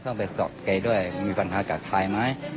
ไปสอบแกด้วยมีปัญหากับใครไหม